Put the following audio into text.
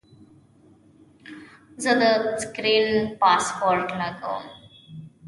زه د سکرین پاسورډ لګوم.